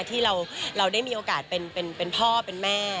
ที่เราได้มีโอกาสเป็นพ่อเป็นแม่